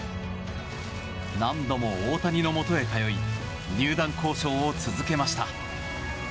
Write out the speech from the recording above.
何度も大谷のもとへ通い入団交渉を続けました。